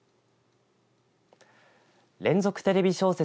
連続テレビ小説